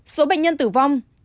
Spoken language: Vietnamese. số bệnh nhân tử vong